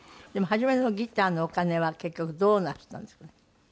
でも初めのそのギターのお金は結局どうなすったんですかね？